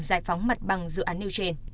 giải phóng mặt bằng dự án điều trên